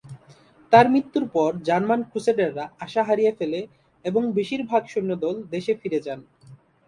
তার মৃত্যুর পর জার্মান ক্রুসেডাররা আশা হারিয়ে ফেলে এবং বেশিরভাগ সৈন্যদল দেশে ফিরে যান।